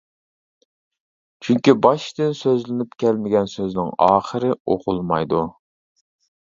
چۈنكى، باشتىن سۆزلىنىپ كەلمىگەن سۆزنىڭ ئاخىرى ئوقۇلمايدۇ.